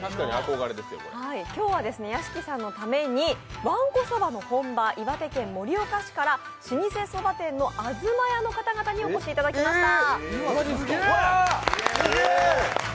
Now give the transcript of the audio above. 今日は屋敷さんのためにわんこそばの本場岩手県盛岡市から老舗そば店の東家の方々にお越しいただきました。